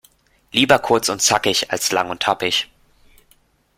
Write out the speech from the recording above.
Lieber kurz und zackig, als lang und tappig..